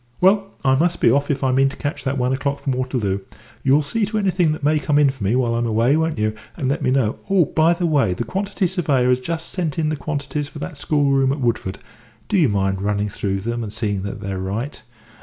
Well, I must be off if I mean to catch that one o'clock from Waterloo. You'll see to anything that may come in for me while I'm away, won't you, and let me know? Oh, by the way, the quantity surveyor has just sent in the quantities for that schoolroom at Woodford do you mind running through them and seeing they're right?